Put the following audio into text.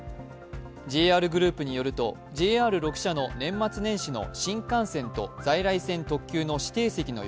ＪＲグループによると、鉄道の年末年始の新幹線と在来線特級の指定席のよ